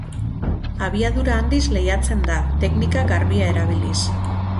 Abiadura handiz lehiatzen da, teknika garbia erabiliz.